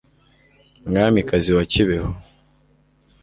mwamikazi wa kibeho